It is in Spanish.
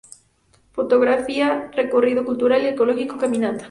Fotografía, recorrido cultural y arqueológico, caminata.